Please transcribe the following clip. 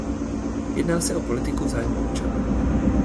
Jedná se o politiku v zájmu občanů.